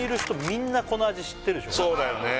みんなこの味知ってるでしょそうだよね